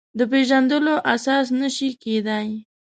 د پېژندلو اساس نه شي کېدای.